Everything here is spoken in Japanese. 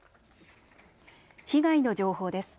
被害の情報です。